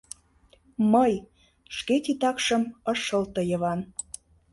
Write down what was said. — Мый, — шке титакшым ыш шылте Йыван.